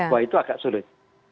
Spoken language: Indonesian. bahwa itu agak sulit